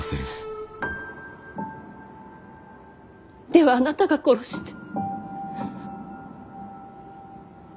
ではあなたが殺して。